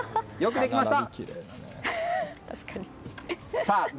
よくできました！